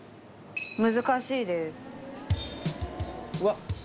難しいです。